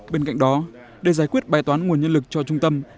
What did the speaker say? bên cạnh đó để giải quyết bài toán nguồn nhân lực cho trung tâm